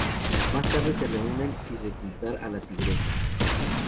Más tarde se reúnen y reclutar a la tigresa.